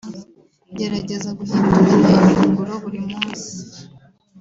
Gerageza guhinduranya ifunguro buri munsi